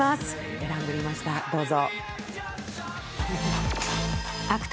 選んでみました、どうぞ。